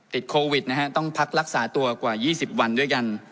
ติดโควิดนะฮะต้องพักรักษาตัวกว่า๒๐วันด้วยกัน